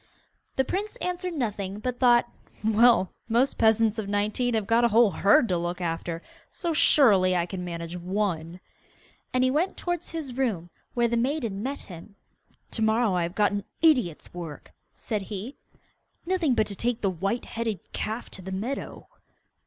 The prince answered nothing, but thought, 'Well, most peasants of nineteen have got a whole herd to look after, so surely I can manage one.' And he went towards his room, where the maiden met him. 'To morrow I have got an idiot's work,' said he; 'nothing but to take the white headed calf to the meadow.